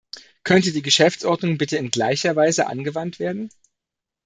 Könnte die Geschäftsordnung bitte in gleicher Weise angewandt werden?